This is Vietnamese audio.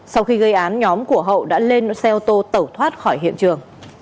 sau khi gây án nhóm của hậu đã lên xe ô tô tẩu thoát khỏi nhà